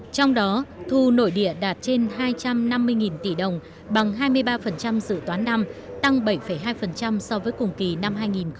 trong đó thu nội địa đạt trên hai trăm năm mươi tỷ đồng bằng hai mươi ba dự toán năm tăng bảy hai so với cùng kỳ năm hai nghìn một mươi chín